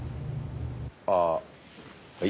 ああはい。